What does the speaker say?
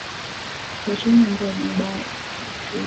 Twacheni mambo mubaya lakini turimeni